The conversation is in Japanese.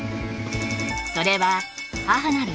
それは母なる